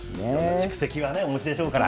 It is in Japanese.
蓄積はね、お持ちでしょうから。